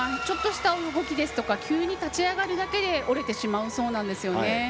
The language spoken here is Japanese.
ちょっとした動きとか急に立ち上がるだけで折れてしまうんですよね。